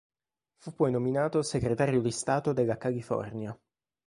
Fu poi nominato Segretario di Stato della California.